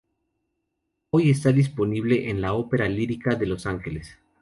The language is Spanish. Hoy está disponible en la Ópera Lírica de Los Ángeles.